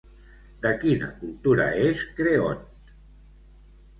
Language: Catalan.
De quina cultura és Creont?